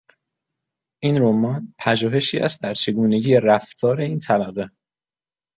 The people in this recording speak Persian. این رمان، پژوهشی است در چگونگی رفتار این طبقه.